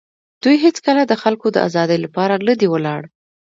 دوی هېڅکله د خلکو د آزادۍ لپاره نه دي ولاړ.